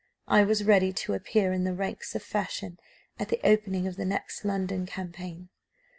I was ready to appear in the ranks of fashion at the opening of the next London campaign.